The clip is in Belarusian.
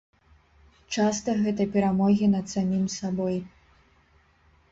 Часта гэта перамогі над самім сабой.